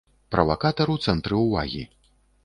Правакатар у цэнтры ўвагі.